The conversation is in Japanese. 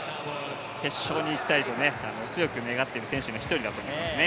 決勝に行きたいと強く願っている選手の一人ですね。